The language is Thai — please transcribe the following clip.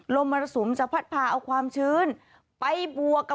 ลมระสูมจะผัดพาเอาความชื้นไปบัวก